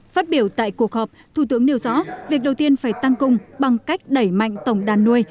phát biểu tại cuộc họp thủ tướng nêu rõ việc đầu tiên phải tăng cung bằng cách đẩy mạnh tổng đàn nuôi